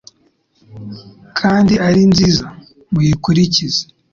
kandi ari nziza; muyikurikize.”